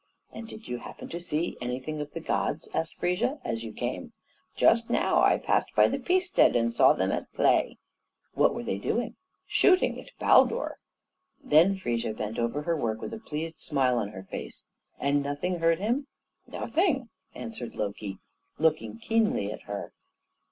"And did you happen to see anything of the gods," asked Frigga, "as you came?" "Just now I passed by the Peacestead and saw them at play." "What were they doing?" "Shooting at Baldur." Then Frigga bent over her work with a pleased smile on her face. "And nothing hurt him?" "Nothing," answered Loki, looking keenly at her.